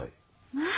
まあ！